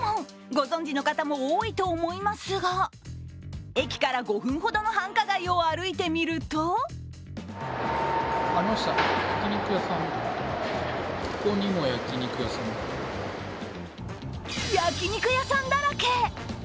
ご存じの方も多いと思いますが駅から５分ほどの繁華街を歩いてみると焼き肉屋さんだらけ。